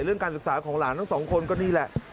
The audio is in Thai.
เรื่องการศึกษาของหลานทั้งสองคนก็นี่แหละ